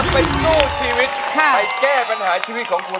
ไปแก้ปัญหาชีวิตของคุณ